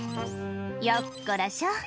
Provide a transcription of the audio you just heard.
「よっこらしょ」